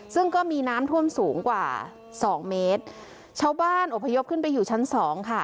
ซึ่งก็มีน้ำท่วมสูงกว่าสองเมตรชาวบ้านอบพยพขึ้นไปอยู่ชั้นสองค่ะ